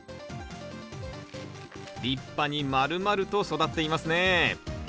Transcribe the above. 立派にまるまると育っていますね